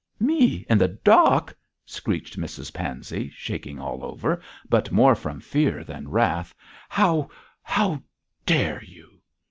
'Me in the dock?' screeched Mrs Pansey, shaking all over, but more from fear than wrath. 'How how dare you?'